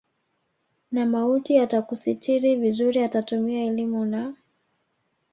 na mauti atakustiri vizuri atatumia elimu na